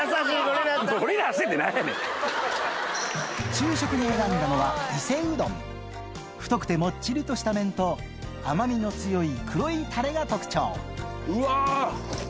昼食に選んだのは太くてもっちりとした麺と甘みの強い黒いタレが特徴うわ！